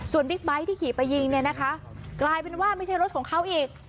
ส่วนบิ๊กไบท์ที่ขี่ไปยิงเนี่ยนะคะกลายเป็นว่าไม่ใช่รถของเขาอีก